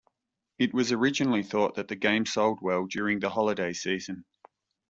It was originally thought that the game sold well during the holiday season.